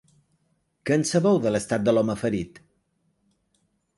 Què en sabeu de l’estat de l’home ferit?